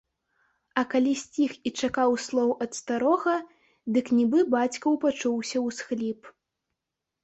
А калі сціх і чакаў слоў ад старога, дык нібы бацькаў пачуўся ўсхліп.